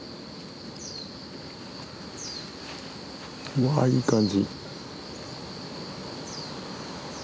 うわいい感じ。